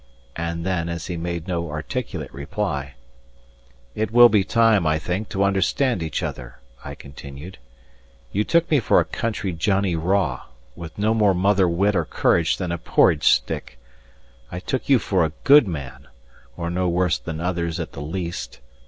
And then, as he made no articulate reply, "It will be time, I think, to understand each other," I continued. "You took me for a country Johnnie Raw, with no more mother wit or courage than a porridge stick. I took you for a good man, or no worse than others at the least.